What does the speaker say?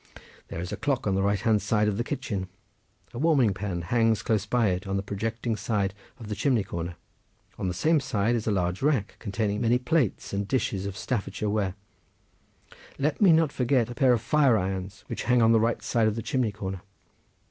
"There is a clock on the right hand side of the kitchen; a warming pan hangs close by it on the projecting side of the chimney corner. On the same side is a large rack containing many plates and dishes of Staffordshire ware. Let me not forget a pair of fire irons which hang on the right hand side of the chimney corner!"